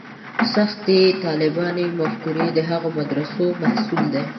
سختې طالباني مفکورې د هغو مدرسو محصول دي.